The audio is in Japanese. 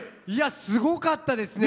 すごかったですね！